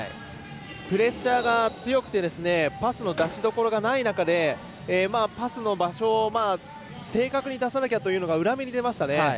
プレッシャーが強くてパスの出しどころがない中でパスの場所を正確に出さなきゃというのが裏目に出ましたね。